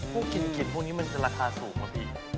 พวกกลิ่นพวกนี้มันราคาสูงอ่ะพี่